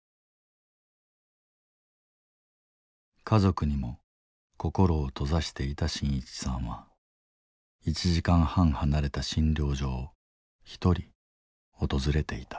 家族にも心を閉ざしていた伸一さんは１時間半離れた診療所を一人訪れていた。